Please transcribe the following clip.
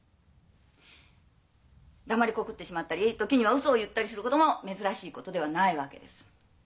黙りこくってしまったり時にはウソを言ったりすることも珍しいことではないわけです。